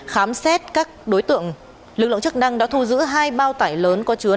khám xét các đối tượng lực lượng chức năng đã thu giữ hai bao tải lớn có chứa năm mươi kg